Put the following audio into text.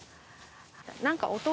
何か。